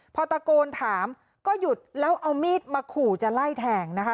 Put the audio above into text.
พอตะโกนถามก็หยุดแล้วเอามีดมาขู่จะไล่แทงนะคะ